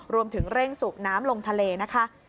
รวมถึงเร่งสูบน้ำลงทะเลนะคะ